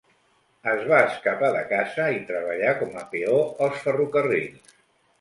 Es va escapar de casa i treballà com a peó als ferrocarrils.